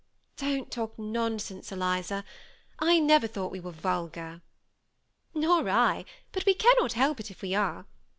'^ Don't talk nonsense, Eliza. I never thought we were vulgar." " Nor I ; but we cannot help it if we are.